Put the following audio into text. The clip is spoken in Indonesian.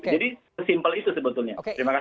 jadi simpel itu sebetulnya